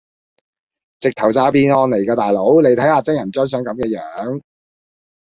直頭詐騙案嚟㗎大佬你睇吓真人張相咁嘅樣